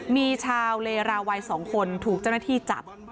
มีชาวเลราวัย๒คนถูกเจ้าหน้าที่จับ